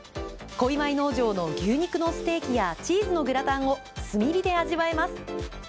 小岩井農場の牛肉のステーキやチーズのグラタンを炭火で味わえます。